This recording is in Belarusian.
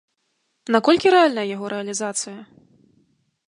Наколькі рэальная яго рэалізацыя?